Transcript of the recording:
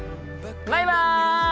バイバイ！